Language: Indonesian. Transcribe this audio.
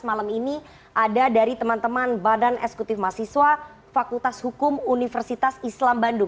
malam ini ada dari teman teman badan eksekutif mahasiswa fakultas hukum universitas islam bandung